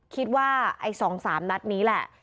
คิดว่า๒๓นัดนี้แหละ